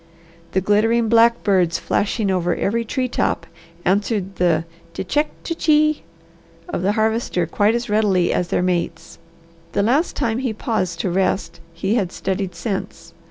The glittering black birds flashing over every tree top answered the "T'check, t'chee!" of the Harvester quite as readily as their mates. The last time he paused to rest he had studied scents.